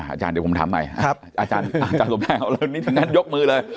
อาจารย์เดี๋ยวผมถามใหม่อาจารย์สมแนวนี่ถึงงั้นยกมือเลย